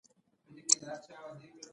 شنخته مو پر ودروله.